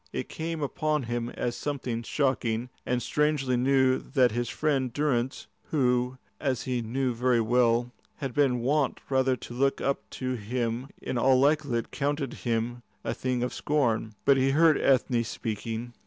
It came upon him as something shocking and strangely new that his friend Durrance, who, as he knew very well, had been wont rather to look up to him, in all likelihood counted him a thing of scorn. But he heard Ethne speaking.